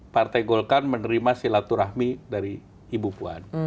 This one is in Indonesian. partai golkar menerima silaturahmi dari ibu puan